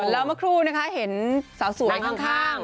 แล้วเมื่อครู่นะคะเห็นสาวสวยข้าง